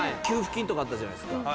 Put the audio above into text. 給付金とかあったじゃないですか